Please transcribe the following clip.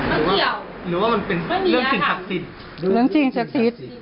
หรือว่าหรือว่ามันเป็นเรื่องสิ่งศักดิ์สิทธิ์หรือเรื่องสิ่งศักดิ์สิทธิ์